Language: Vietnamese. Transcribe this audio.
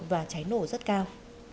và cháy nổ rất cao